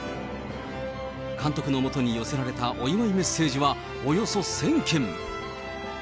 監督のもとに寄せられたお祝いメッセージは、およそ１０００件。